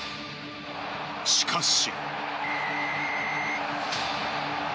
しかし。